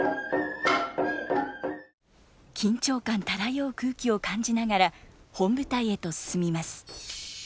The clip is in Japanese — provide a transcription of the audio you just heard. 緊張感漂う空気を感じながら本舞台へと進みます。